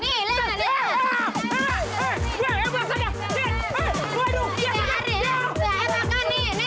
heeh heeh heeh belasannya